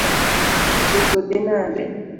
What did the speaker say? Chogo dhi nade?